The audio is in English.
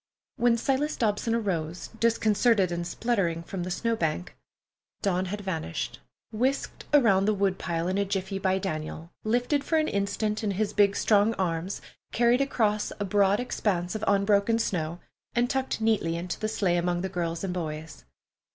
When Silas Dobson arose, disconcerted and spluttering, from the snow bank, Dawn had vanished, whisked around the wood pile in a jiffy by Daniel, lifted for an instant in his strong arms, carried across a broad expanse of unbroken snow, and tucked neatly into the sleigh among the girls and boys.